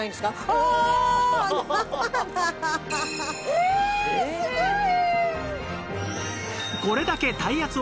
ええすごい！